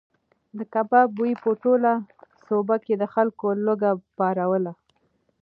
د کباب بوی په ټوله سوبه کې د خلکو لوږه پاروله.